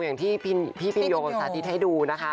อย่างที่พี่พิมโยงสาธิตให้ดูนะคะ